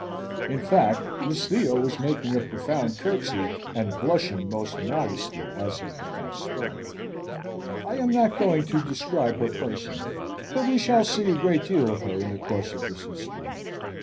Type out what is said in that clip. In fact, Miss Theo was making a profound curtsey and blushing most modestly as her papa spoke. I am not going to describe her person, though we shall see a great deal of her in the course of this history.